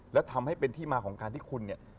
แล้วทำให้เป็นที่มาของการที่คุณเนี่ย